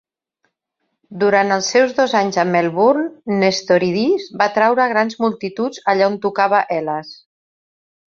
Durant els seus dos anys a Melbourne, Nestoridis va atraure grans multituds allà on tocava Hellas.